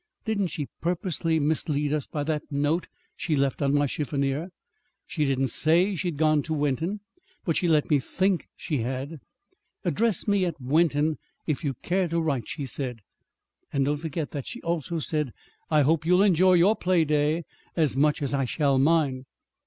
Didn't she purposely mislead us by that note she left on my chiffonier? She didn't say she had gone to Wenton, but she let me think she had. 'Address me at Wenton, if you care to write,' she said. And don't forget that she also said: 'I hope you'll enjoy your playday as much as I shall mine.'